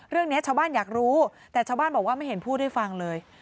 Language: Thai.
เรื่องนี้ชาวบ้านอยากรู้แต่ชาวบ้านบอกว่าไม่เห็นพูดให้ฟังเลย